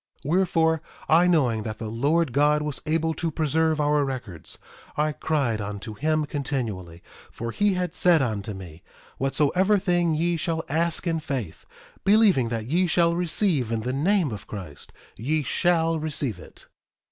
1:15 Wherefore, I knowing that the Lord God was able to preserve our records, I cried unto him continually, for he had said unto me: Whatsoever thing ye shall ask in faith, believing that ye shall receive in the name of Christ, ye shall receive it.